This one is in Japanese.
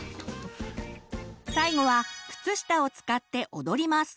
最後は靴下を使って踊ります！